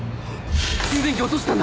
充電器落としたんだ！